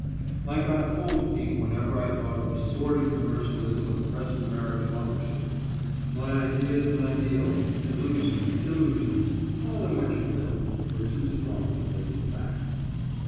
I got cold feet whenever I thought of the sordid commercialism of present American authorship. My ideas and ideals, delusions, illusions, call them what you will, were too strong to face the facts.